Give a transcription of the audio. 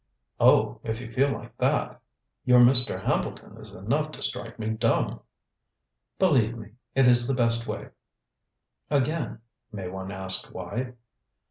"Oh if you feel like that! Your 'Mr. Hambleton' is enough to strike me dumb." "Believe me, it is the best way." "Again, may one ask why?"